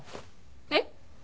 えっ？